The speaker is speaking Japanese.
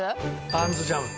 あんずジャム。